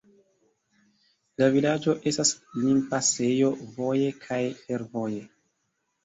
La vilaĝo estas limpasejo voje kaj fervoje.